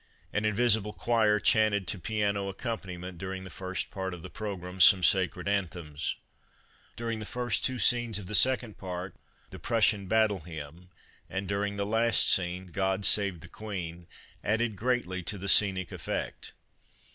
An invisible choir chanted to pia no accompani ment during the first part of the program some sacred anthems ; during the first two scenes of the second part, the " Prussian Battle Hymn," and during the last scene, " God Save the Queen," adding greatly to the scenic effect.